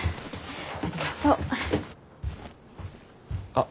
あっ。